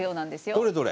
どれどれ？